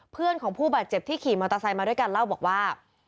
เพื่อนของผู้บาดเจ็บที่ขี่มอเตอร์ไซค์มาด้วยกันเล่าบอกว่า